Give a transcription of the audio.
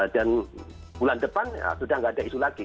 dan bulan depan sudah nggak ada isu lagi